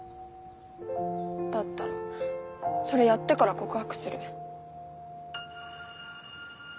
だったらそれやってから告白する。